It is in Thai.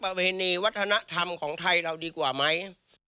ประเพณีวัฒนธรรมของไทยเราดีกว่าไหม